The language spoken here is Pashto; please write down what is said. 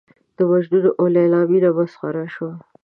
د مجنون او لېلا مینه مسخره شوه.